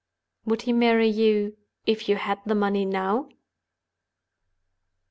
"Would he marry you if you had the money now?"